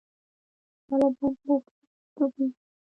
طالبان په رسمیت وپېژنئ